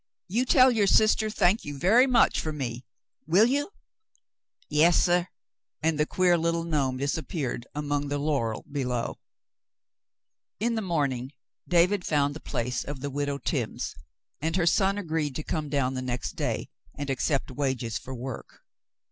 "You tell your sister 'thank you very much,' for me. Will you?" "Yas, suh," and the queer little gnome disappeared among the laurel below. In the morning, David found the place of the Widow Timms, and her son agreed to come down the next day and accept wages for work.